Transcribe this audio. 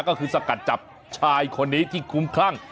ก็คือสกัดจับชายคนนี้ที่คุ้มคลั่ง